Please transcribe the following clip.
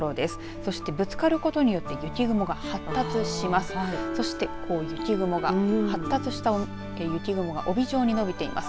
そして、ぶつかることによって雪雲が発達します。